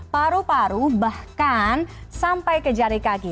paru paru bahkan sampai ke jari kaki